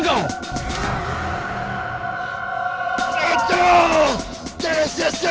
tidak akan berhasil